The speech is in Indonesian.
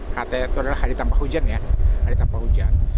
hth adalah hari tanpa hujan ya hari tanpa hujan